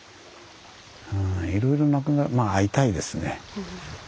うんいろいろ亡くなまあ会いたいですね。